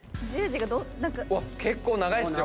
結構長いっすよ。